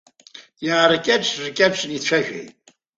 Иааркьаҿ-ркьаҿны ицәажәеит.